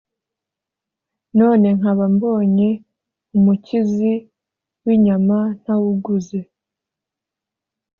none nkaba mbonye umukizi w' inyama ntawuguze!”